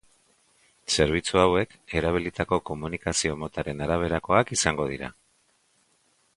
Zerbitzu hauek, erabilitako komunikazio motaren araberakoak izango dira.